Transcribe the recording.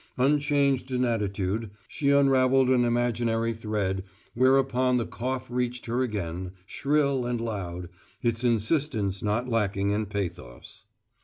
Unchanged in attitude, she unravelled an imaginary thread, whereupon the cough reached her again, shrill and loud, its insistence not lacking in pathos.